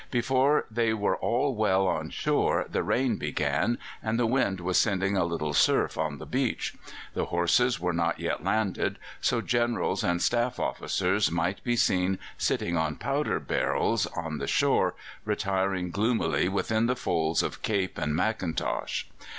Before they were all well on shore the rain began, and the wind was sending a little surf on the beach. The horses were not yet landed, so Generals and staff officers might be seen sitting on powder barrels on the shore, retiring gloomily within the folds of cape and mackintosh.